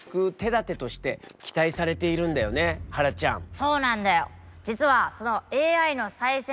そうなんだよ。